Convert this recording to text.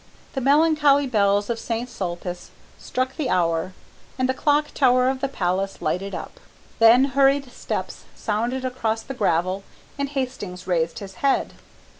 The melancholy bells of St Sulpice struck the hour and the clock tower of the Palace lighted up. Then hurried steps sounded across the gravel and Hastings raised his head.